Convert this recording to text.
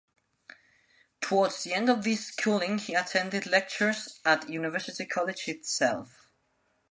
Towards the end of his schooling he attended lectures at University College itself.